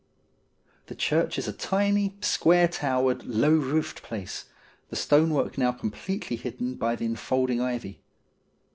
The church is a tiny square towered, low roofed place, the stonework now completely hidden by the enfolding ivy.